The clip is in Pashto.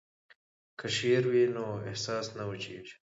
که شعر وي نو احساس نه وچیږي.